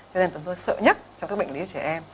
cho nên chúng tôi sợ nhất trong các bệnh lý trẻ em